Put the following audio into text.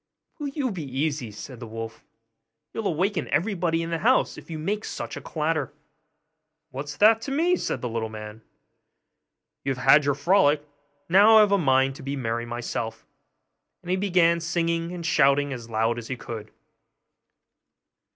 'Will you be easy?' said the wolf; 'you'll awaken everybody in the house if you make such a clatter.' 'What's that to me?' said the little man; 'you have had your frolic, now I've a mind to be merry myself'; and he began, singing and shouting as loud as he could.